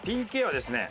ＰＫはですね